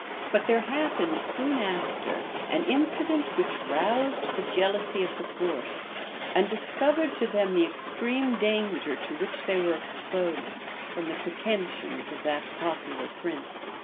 But there happened, soon after, an incident which roused the jealousy of the court, and discovered to them the extreme danger to which they were exposed from the pretensions of that popular prince.